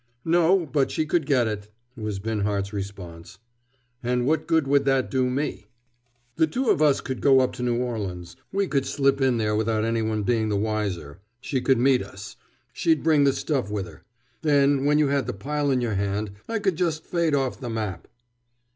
"No, but she could get it," was Binhart's response. "And what good would that do me?" "The two of us could go up to New Orleans. We could slip in there without any one being the wiser. She could meet us. She'd bring the stuff with her. Then, when you had the pile in your hand, I could just fade off the map."